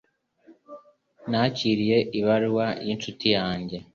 Nakiriye ibaruwa yinshuti yanjye.